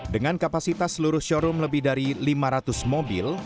dengan kapasitas seluruh showroom lebih dari lima ratus mobil